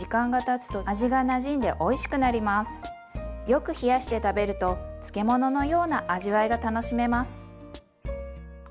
よく冷やして食べると漬物のような味わいが楽しめます。